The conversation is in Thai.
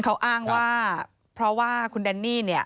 เขาอ้างว่าเพราะว่าคุณแดนนี่เนี่ย